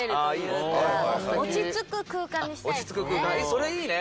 それいいね！